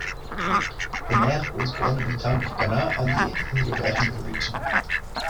Bonnaire was born in the town of Gannat, Allier, in the Auvergne region.